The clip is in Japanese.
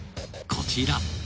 こちら］